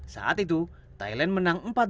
saat itu thailand menang empat satu